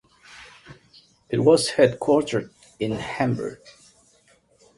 It was headquartered in Hamburg.